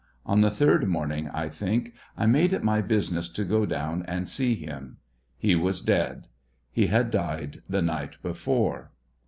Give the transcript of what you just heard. On the third morning, I think, I made it my business t go down and see him ; he was dead ; he had died the night before.